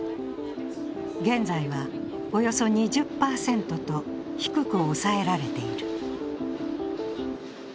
現在はおよそ２０％と低く抑えられている。